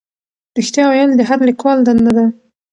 رښتیا ویل د هر لیکوال دنده ده.